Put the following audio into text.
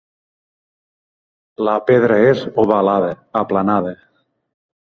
La pedra és ovalada, aplanada.